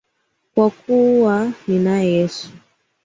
Kwa kuwa ninaye Yesu.